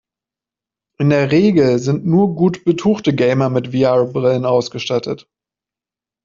In der Regel sind nur gut betuchte Gamer mit VR-Brillen ausgestattet.